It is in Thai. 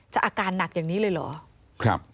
อาการหนักอย่างนี้เลยเหรอ